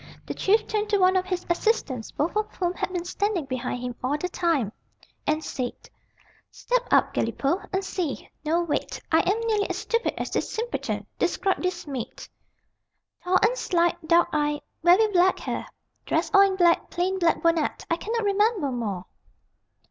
The Chief turned to one of his assistants, both of whom had been standing behind him all the time, and said: "Step out, Galipaud, and see. No, wait. I am nearly as stupid as this simpleton. Describe this maid." "Tall and slight, dark eyed, very black hair. Dressed all in black, plain black bonnet. I cannot remember more."